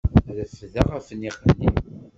Refdeɣ afniq-nni.